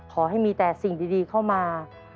ขอให้มีแต่สิ่งดีเข้ามา